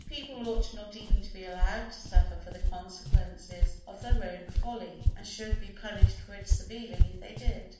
People ought not even to be allowed to suffer for the consequences of their own folly, and should be punished for it severely if they did.